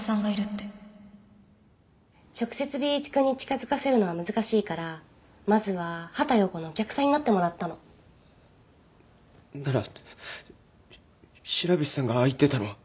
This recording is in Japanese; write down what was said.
直接Ｂ一君に近づかせるのは難しいからまずは畑葉子のお客さんになってもらったの。なら白菱さんがああ言ってたのは。